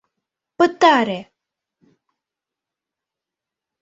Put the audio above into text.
Пытаре!